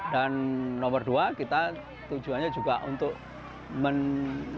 dan nomor dua kita tujuannya juga untuk menjual